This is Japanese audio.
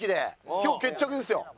今日決着ですよ。